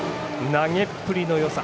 投げっぷりのよさ